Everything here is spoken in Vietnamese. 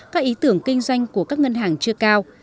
các ý tưởng kinh doanh của các ngân hàng chưa cao